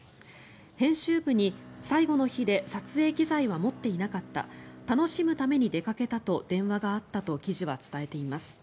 編集部に、最後の日で撮影機材は持っていなかった楽しむために出かけたと電話があったと記事は伝えています。